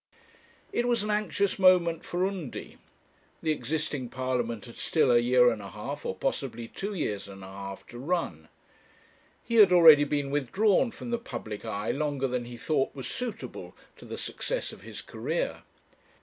It was an anxious moment for Undy. The existing Parliament had still a year and a half, or possibly two years and a half, to run. He had already been withdrawn from the public eye longer than he thought was suitable to the success of his career.